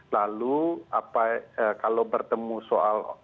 lalu kalau bertemu soal